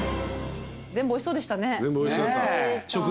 全部おいしそうでしたね。